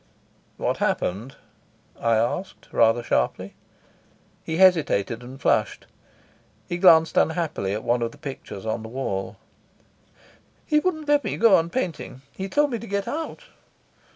"What happened?" I asked, rather sharply. He hesitated and flushed. He glanced unhappily at one of the pictures on the wall. "He wouldn't let me go on painting. He told me to get out."